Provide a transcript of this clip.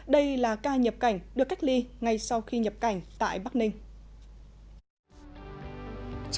đây là ca nhập cảnh được cách ly ngay sau khi nhập cảnh tại bắc ninh